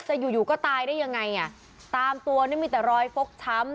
อยู่อยู่ก็ตายได้ยังไงอ่ะตามตัวนี่มีแต่รอยฟกช้ำ